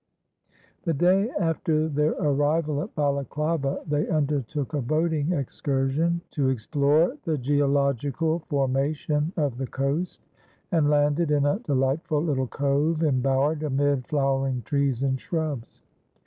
The day after their arrival at Balaklava they undertook a boating excursion to explore the geological formation of the coast, and landed in a delightful little cove, embowered amid flowering trees and shrubs.